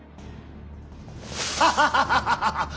ハハハハハハッ！